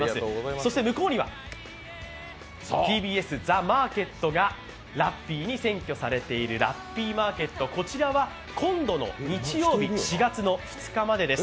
そして向こうにはＴＢＳＴＨＥＭＡＲＫＥＴがラッピーに占拠されているラッピーマーケット、こちらは今度の日曜日、４月２日までです。